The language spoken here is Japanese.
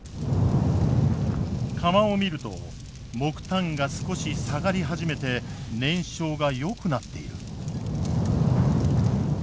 釜を見ると木炭が少し下がり始めて燃焼がよくなっている。